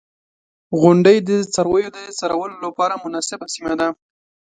• غونډۍ د څارویو د څرولو لپاره مناسبه سیمه ده.